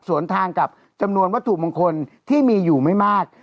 ส่วนทางกับจำนวนวัตถุมงคลที่มีอยู่ไม่มาก